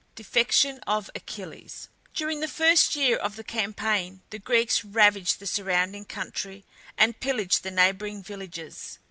DEFECTION OF ACHILLES. During the first year of the campaign the Greeks ravaged the surrounding country, and pillaged the neighbouring villages.